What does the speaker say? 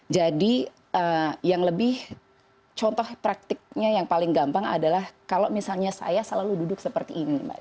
jadi contoh praktiknya yang paling gampang adalah kalau misalnya saya selalu duduk seperti ini